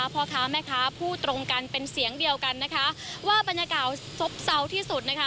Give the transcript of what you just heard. พ่อค้าแม่ค้าพูดตรงกันเป็นเสียงเดียวกันนะคะว่าบรรยากาศซบเศร้าที่สุดนะคะ